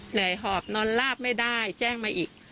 เหนื่อยหอบนอนราบไม่ได้แจ้งมาอีก